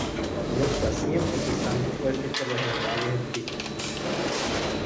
Los asientos están dispuestos por lo general en filas.